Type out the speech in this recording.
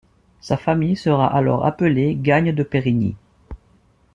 Sa famille sera alors appelée Gagne de Perrigny.